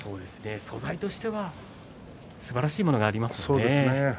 素材としてはすばらしいものがありますものね。